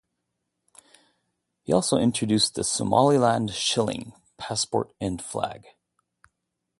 He also introduced the Somaliland shilling, passport and flag.